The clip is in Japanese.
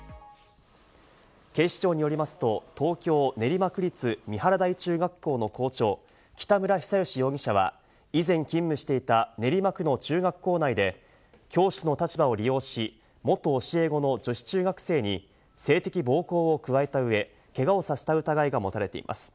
警視庁によりますと、東京・練馬区立三原台中学校の校長・北村比左嘉容疑者は以前、勤務していた練馬区の中学校内で教師の立場を利用し、元教え子の女子中学生に性的暴行を加えたうえ、けがをさせた疑いが持たれています。